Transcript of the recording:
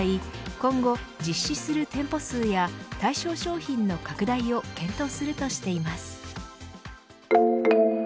今後、実施する店舗数や対象商品の拡大を検討するとしています。